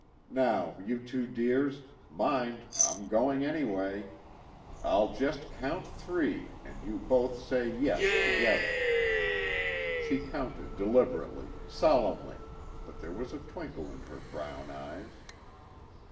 Now you two dears, mind, I'm going anyway. I'll just count three, and you both say 'yes' together." She counted deliberately, solemnly, but there was a twinkle in her brown eyes.